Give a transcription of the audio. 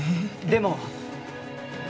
でも。